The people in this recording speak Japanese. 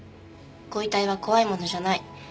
ご遺体は怖いものじゃない。